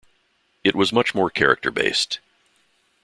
It was much more character-based.